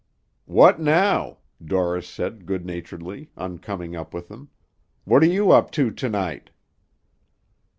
"What now?" Dorris said good naturedly, on coming up with them. "What are you up to to night?"